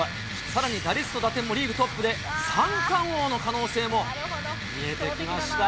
さらに、打率と打点もリーグトップで、三冠王の可能性も見えてきました。